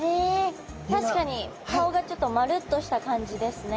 確かに顔がちょっと丸っとした感じですね。